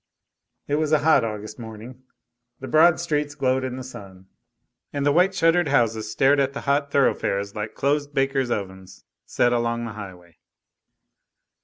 It was a hot August morning. The broad streets glowed in the sun, and the white shuttered houses stared at the hot thoroughfares like closed bakers' ovens set along the highway.